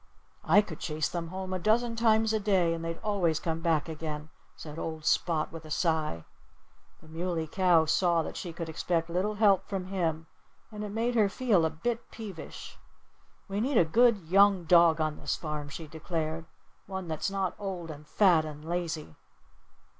"I could chase them home a dozen times a day and they'd always come back again," said old Spot with a sigh. The Muley Cow saw that she could expect little help from him. And it made her feel a bit peevish. "We need a good, young dog on this farm," she declared. "One that's not old and fat and lazy!"